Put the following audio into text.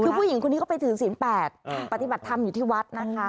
คือผู้หญิงคนนี้ก็ไปถือศีล๘ปฏิบัติธรรมอยู่ที่วัดนะคะ